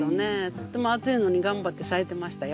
とっても暑いのに頑張って咲いてましたよ。